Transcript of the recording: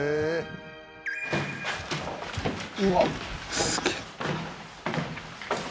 「うわっすげえ」